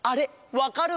わかる！？